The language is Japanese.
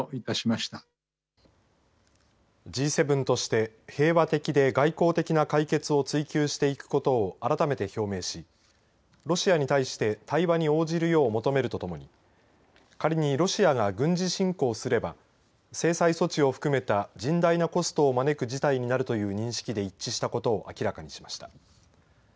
Ｇ７として平和的で外交的な解決を追求していくことを改めて表明しロシアに対して対話に応じるよう求めるとともに仮にロシアが軍事侵攻すれば制裁措置を含めた甚大なコストを招く事態になるという一致したことを明らかにしました。